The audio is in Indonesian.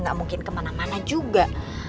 gak mungkin kemana mana juga